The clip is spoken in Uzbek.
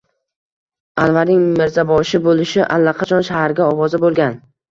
Anvarning mirzaboshi bo’lishi allaqachon shaharga ovoza bo’lgan.